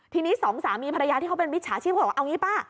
ทีนี้สองสามีภรรยาที่เขาเป็นมิจฉาชีพเขาบอกเอางี้ป่ะ